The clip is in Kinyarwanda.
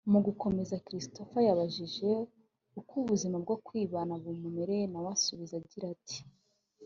mugukomeza Christopher yabajijwe uko ubuzima bwo kwibana bumumereye nawe asubiza agira ati